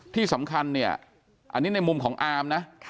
ที่สำคัญเนี่ยอันนี้ในมุมของอามนะ